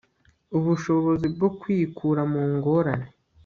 ubushobozi bwo kwikura mu ngorane